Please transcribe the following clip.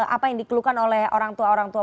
apa yang dikeluhkan oleh orang tua orang tua